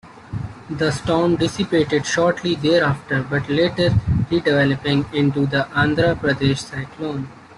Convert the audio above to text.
The storm dissipated shortly thereafter, but later re-developing into the Andhra Pradesh cyclone.